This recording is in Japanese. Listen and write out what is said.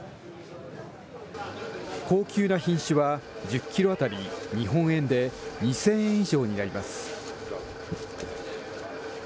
高級な品種は、１０キロ当たり日本円で２０００円以上になります。